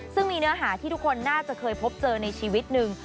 ซึ่งมีเนื้อหาที่ทุกคนน่าจะเคยพบเจอในชีวิตหนึ่ง